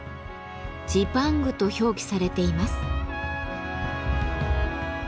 「ジパング」と表記されています。